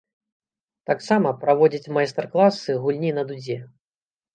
Таксама праводзіць майстар-класы гульні на дудзе.